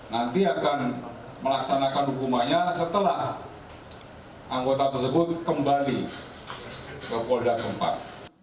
nanti akan melaksanakan hukumannya setelah anggota tersebut kembali ke polda keempat